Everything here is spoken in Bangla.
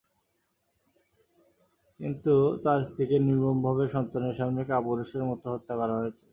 কিন্তু তাঁর স্ত্রীকে নির্মমভাবে সন্তানের সামনে কাপুরুষের মতো হত্যা করা হয়েছে।